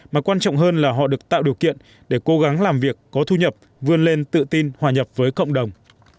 mà quan trọng hơn là họ được tạo điều kiện để cố gắng làm việc có thu nhập vươn lên tự tin hòa nhập với cộng đồng